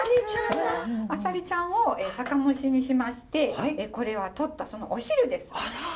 あさりちゃんを酒蒸しにしましてこれはとったお汁です。